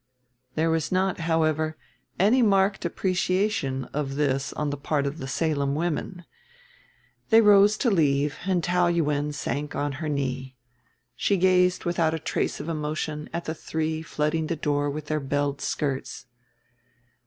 There was not, however, any marked appreciation of this on the part of the Salem women. They rose to leave and Taou Yuen sank on her knee. She gazed without a trace of emotion at the three flooding the door with their belled skirts.